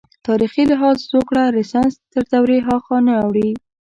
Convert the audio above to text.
تاریخي لحاظ زوکړه رنسانس تر دورې هاخوا نه اوړي.